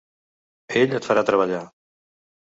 Ell et farà treballar.